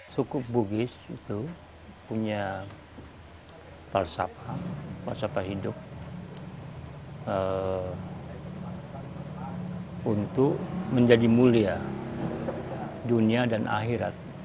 suku bugis itu punya falsapa hidup untuk menjadi mulia dunia dan akhirat